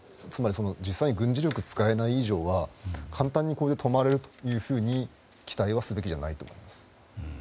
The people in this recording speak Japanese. つまり、実際に軍事力を使えない以上は簡単に止まるというふうに期待はすべきじゃないと思います。